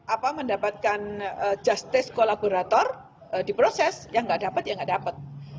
apa mendapatkan justice kolaborator di proses yang nggak dapat ya nggak dapat